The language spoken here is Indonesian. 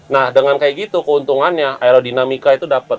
nah dengan kayak gitu keuntungannya aerodinamika itu dapat